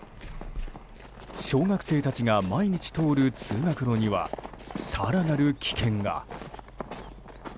小学生たちが毎日通る通学路には更なる危険が。